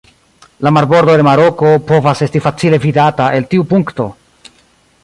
La marbordo de Maroko povas esti facile vidata el tiu punkto.